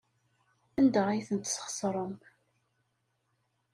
Anda ay tent-tesxeṣrem?